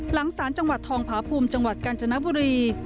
หลังศาลจังหวัดทองพาภูมิจังหวัดกาญจนบุรี